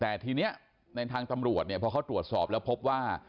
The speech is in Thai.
แต่ทีนี้ในทางตำรวจเนี่ยพอเขาตรวจสอบแล้วพบว่า